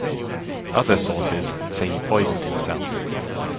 Other sources say he poisoned himself.